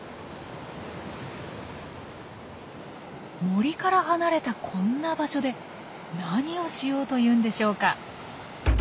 森から離れたこんな場所で何をしようというんでしょうか？